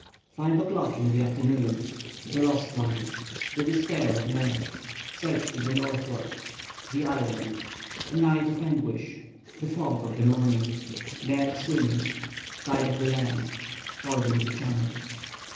FIVE O'CLOCK IN THE AFTERNOON—THE LOST ONE—THE DESPAIR OF NEB—SEARCH TO THE NORTHWARD—THE ISLAND—A NIGHT OF ANGUISH—THE FOG OF THE MORNING—NEB SWIMMING—SIGHT OF THE LAND—FORDING THE CHANNEL.